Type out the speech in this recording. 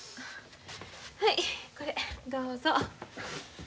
はいこれどうぞ。